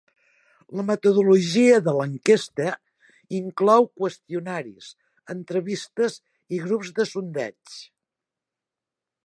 La metodologia de l'enquesta inclou qüestionaris, entrevistes i grups de sondeig.